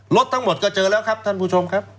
รถทั้งหมดก็เจอแล้วครับท่านผู้ชมครับ